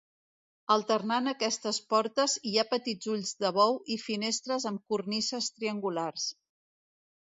Alternant aquestes portes hi ha petits ulls de bou i finestres amb cornises triangulars.